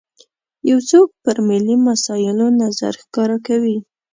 یو څوک پر ملي مسایلو نظر ښکاره کوي.